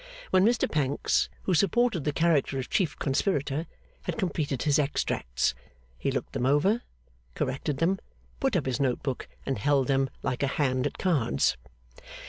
When Mr Pancks, who supported the character of chief conspirator, had completed his extracts, he looked them over, corrected them, put up his note book, and held them like a hand at cards.